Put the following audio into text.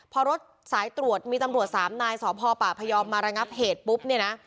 พอรถสายตรวจมีตำรวจสามนายสพป่าพยอมมาระงับเหตุปุ๊บเนี่ยนะ